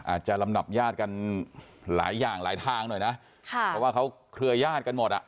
อาจจะลำดับญาติกันหลายอย่างหลายทางหน่อยนะค่ะเพราะว่าเขาเครือญาติกันหมดอ่ะ